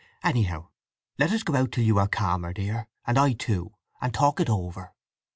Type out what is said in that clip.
Anyhow, let us go out till you are calmer, dear, and I too, and talk it over."